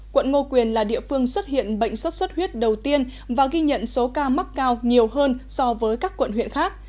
quận ngô quyền là địa phương xuất hiện bệnh xuất xuất huyết đầu tiên và ghi nhận số ca mắc cao nhiều hơn so với các quận huyện khác